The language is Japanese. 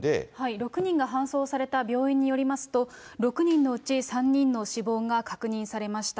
６人が搬送された病院によりますと、６人のうち３人の死亡が確認されました。